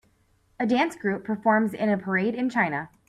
A dance group performs in a parade in china.